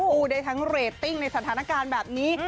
พูดได้ทั้งเรตติ้งในสถานการณ์แบบนี้